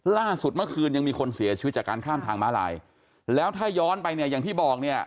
ล่าสุดเมื่อคืนยังมีคนเสียชีวิตจากการข้ามทางม้าลายแล้วถ้าย้อนไปเนี่ยอย่างที่บอกเนี่ย